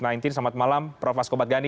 selamat malam prof asko badgani